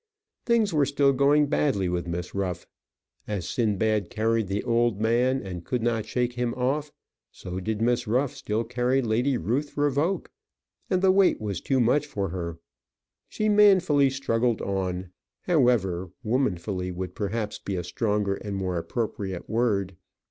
Things were still going badly with Miss Ruff. As Sindbad carried the old man, and could not shake him off, so did Miss Ruff still carry Lady Ruth Revoke; and the weight was too much for her. She manfully struggled on, however womanfully would perhaps be a stronger and more appropriate word.